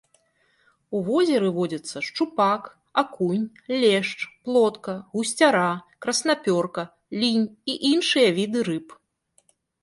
У возеры водзяцца шчупак, акунь, лешч, плотка, гусцяра, краснапёрка, лінь і іншыя віды рыб.